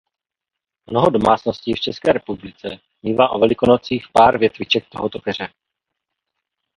Mnoho domácností v České republice mívá o Velikonocích pár větviček tohoto keře.